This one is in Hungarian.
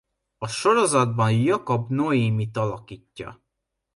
A sorozatban Jakab Noémit alakítja.